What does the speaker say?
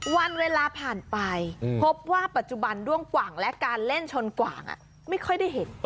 วันเวลาผ่านไปพบว่าปัจจุบันด้วงกว่างและการเล่นชนกว่างไม่ค่อยได้เห็น